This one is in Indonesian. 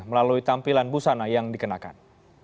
melalui tampilan busana yang dikenakan